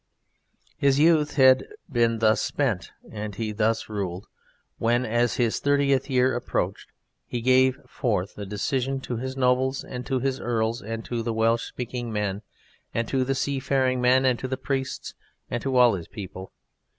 His youth had been thus spent and he thus ruled, when as his thirtieth year approached he gave forth a decision to his nobles and to his earls and to the Welsh speaking men and to the seafaring men and to the priests and to all his people.